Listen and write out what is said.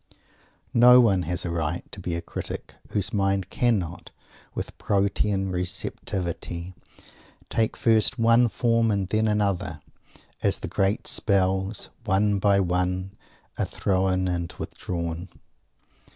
No one has a right to be a critic whose mind cannot, with Protean receptivity, take first one form and then another, as the great Spells, one by one, are thrown and withdrawn.